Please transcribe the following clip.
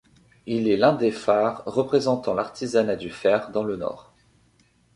Il est l'un des phares représentants l'artisanat du fer dans le nord.